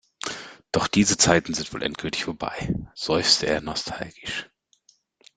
Doch diese Zeiten sind wohl endgültig vorbei, seufzte er nostalgisch.